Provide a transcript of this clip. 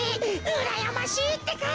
うらやましいってか！